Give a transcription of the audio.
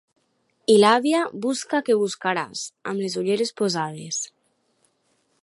I l'àvia busca que buscaràs, amb les ulleres posades.